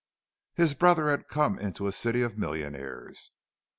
His brother had come into a city of millionaires.